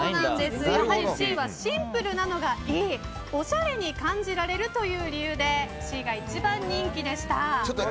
やはりＣはシンプルなのがいいおしゃれに感じられるという理由でＣが一番人気でした。